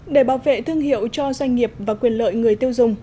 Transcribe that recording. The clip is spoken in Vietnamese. để bảo vệ thương hiệu cho doanh nghiệp và quyền lợi người tiêu dùng